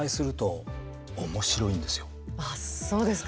あっそうですか。